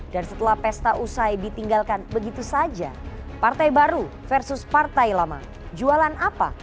dan setelah pesta usai ditinggalkan begitu saja partai baru versus partai lama jualan apa